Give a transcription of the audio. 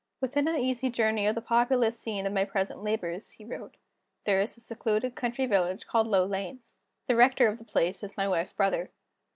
"Within an easy journey of the populous scene of my present labors," he wrote, "there is a secluded country village called Low Lanes. The rector of the place is my wife's brother.